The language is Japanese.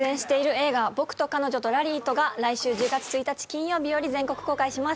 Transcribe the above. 私が出演している映画「僕と彼女とラリーと」が来週、１０月１日金曜日より全国公開します。